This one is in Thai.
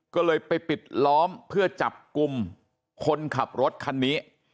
ก็เลยไปปิดล้อมเพื่อจับกลุ่มคนขับรถคันนี้